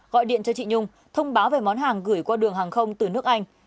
gọi điện cho chị nhung thông báo về món hàng gửi qua đường hàng không từ nước anh